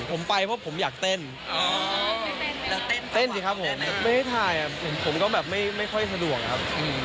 ผมไปเพราะผมอยากเต้นสิครับผมไม่ได้ถ่ายผมก็แบบไม่ค่อยสะดวกครับ